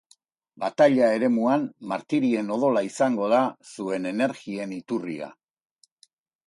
Bataila-eremuan martirien odola izango da zuen energien iturria.